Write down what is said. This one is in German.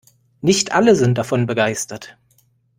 Nicht alle sind davon begeistert.